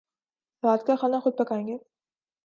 رات کا کھانا خود پکائیں گے